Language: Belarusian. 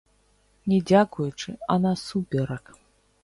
Не дзякуючы, а насуперак!